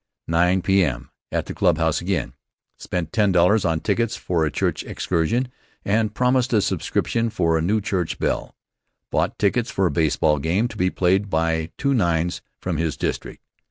9 P.M.: At the clubhouse again. Spent $10 on tickets for a church excursion and promised a subscription for a new church bell. Bought tickets for a baseball game to be played by two nines from his district.